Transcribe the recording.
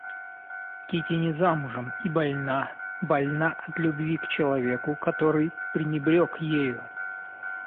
Кити не замужем и больна, больна от любви к человеку, который пренебрег ею.